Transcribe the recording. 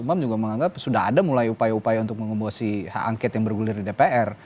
imam juga menganggap sudah ada mulai upaya upaya untuk mengebosi hak angket yang bergulir di dpr